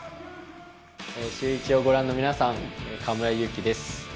シューイチをご覧の皆さん、河村勇輝です。